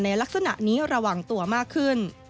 ลักษณะนี้ระวังตัวมากขึ้น